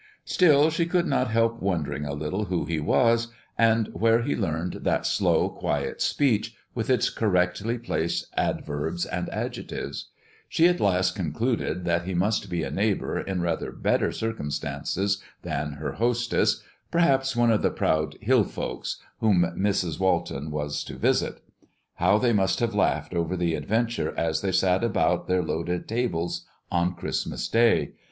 Still, she could not help wondering a little who he was, and where he learned that slow, quiet speech, with its correctly placed adverbs and adjectives, She at last concluded that he must be a neighbor in rather better circumstances than her hostess, perhaps one of the proud "Hill folks" whom Mrs. Walton was to visit. How they must have laughed over the adventure as they sat about their loaded tables on Christmas day!